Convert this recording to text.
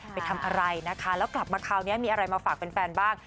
ไปทำอะไรนะคะแล้วกลับมาคราวนี้มีอะไรมาฝากแฟนบ้าง